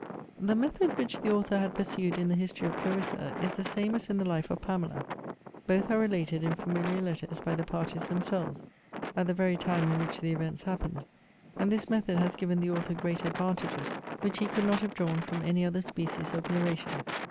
'The method which the author had pursued in the History of Clarissa, is the same as in the Life of Pamela: both are related in familiar letters by the parties themselves, at the very time in which the events happened: and this method has given the author great advantages, which he could not have drawn from any other species of narration.